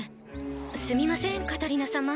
すみませんカタリナ様。